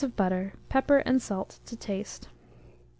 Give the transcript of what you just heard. of butter, pepper and salt to taste.